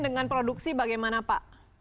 dengan produksi bagaimana pak